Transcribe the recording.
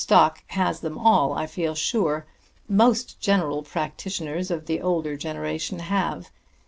Stock has them all, I feel sure: most general practitioners of the older generation have.